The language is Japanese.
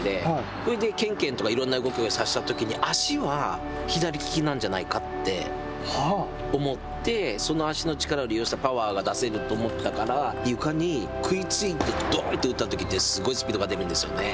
それでけんけんとかいろんな動きをさせたときに足は左利きなんじゃないかって思ってその足の力を利用したパワーが出せると思ったから、床に食いついてドーンと打ったときは、すごいスピードが出るんですよね。